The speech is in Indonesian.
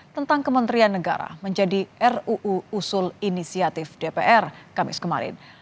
tentang kementerian negara menjadi ruu usul inisiatif dpr kamis kemarin